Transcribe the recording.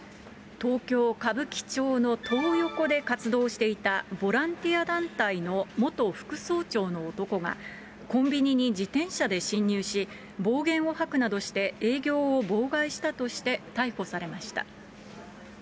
東京・歌舞伎町のトー横で活動していた、ボランティア団体の元副総長の男が、コンビニに自転車で侵入し、暴言を吐くなどして営業を妨害したとして、逮捕されました。